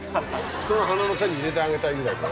人の鼻手入れてあげたいぐらいの。